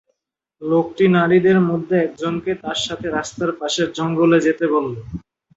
লোকটি নারীদের মধ্যে একজনকে তার সাথে রাস্তার পাশের জঙ্গলে যেতে বলে।